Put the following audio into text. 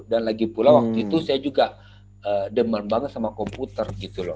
dan lagi pula waktu itu saya juga demam banget sama komputer gitu loh